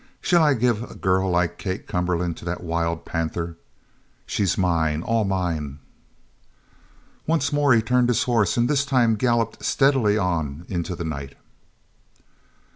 Shall I give a girl like Kate Cumberland to that wild panther? She's mine all mine!" Once more he turned his horse and this time galloped steadily on into the night.